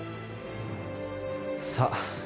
さあ？